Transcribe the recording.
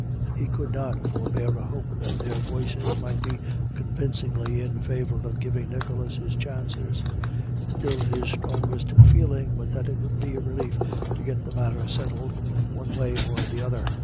He could not forbear a hope that their voices might be convincingly in favour of giving Nicholas his chances; still his strongest feeling was that it would be a relief to get the matter settled one way or the other.